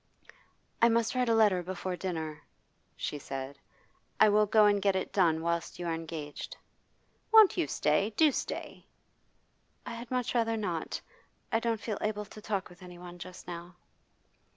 'I must write a letter before dinner,' she said. 'I win go and get it done whilst you are engaged.' 'Won't you stay? Do stay!' 'I had much rather not. I don't feel able to talk with anyone just now.